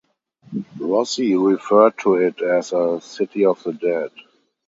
Rossi referred to it as a "city of the dead".